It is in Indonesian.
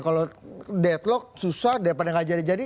kalau deadlock susah daripada gak jadi jadi